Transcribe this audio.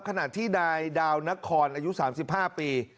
ขณะที่นายดาวนครอายุ๓๕ปี